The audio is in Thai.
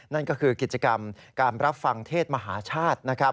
นั่นก็คือกิจกรรมการรับฟังเทศมหาชาตินะครับ